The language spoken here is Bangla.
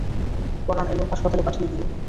পরান এলে হাসপাতালে পাঠিয়ে দিও।